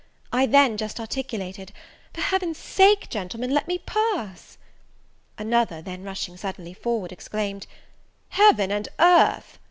I then just articulated, "For Heaven's sake, gentlemen, let me pass!" Another then rushing suddenly forward, exclaimed, "Heaven and earth!